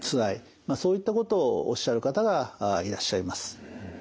そういったことをおっしゃる方がいらっしゃいます。